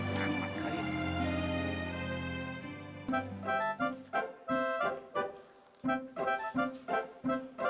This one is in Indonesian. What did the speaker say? satu jam mak kali ini